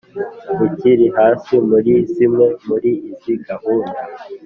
rukiri hasi muri zimwe muri izi gahunda